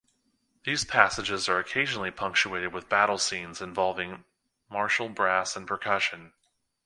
These passages are occasionally punctuated with "battle scenes" involving martial brass and percussion.